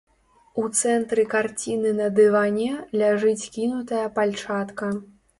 У цэнтры карціны на дыване ляжыць кінутая пальчатка.